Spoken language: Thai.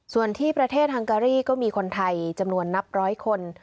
ส่วนที่ประเทศฮังการีก็มีคนไทยจำนวนนับร้อยคน